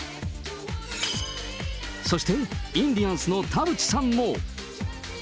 そしてインディアンスの田渕さんも。